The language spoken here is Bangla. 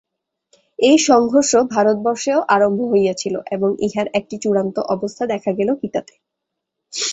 এই সংঘর্ষ ভারতবর্ষেও আরম্ভ হইয়াছিল এবং ইহার একটি চূড়ান্ত অবস্থা দেখা গেল গীতাতে।